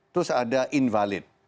terus ada invalid